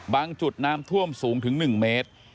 จุดน้ำท่วมสูงถึง๑เมตร